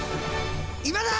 今だ！